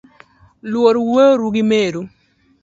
Luor wuoru gi meru